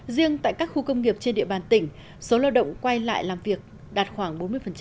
riêng tại các khu công nghiệp trên địa bàn tỉnh số lao động quay lại làm việc đạt khoảng bốn mươi